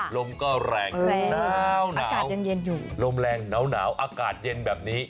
ลมก็แหลงน้าวอากาศเย็นอยู่ลมแรงน้าวอากาศเย็นแบบนี้